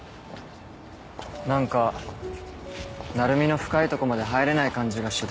何か成海の深いとこまで入れない感じがしてたから。